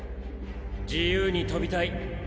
自由に飛びたい。